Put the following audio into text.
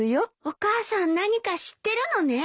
お母さん何か知ってるのね？